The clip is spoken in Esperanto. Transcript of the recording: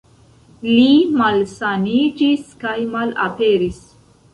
Li malsaniĝis kaj malaperis.